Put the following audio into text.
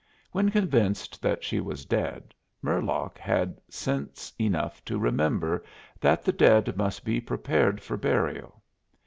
When convinced that she was dead, Murlock had sense enough to remember that the dead must be prepared for burial.